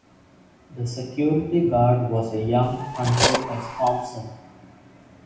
The security guard was a young Hunter S. Thompson.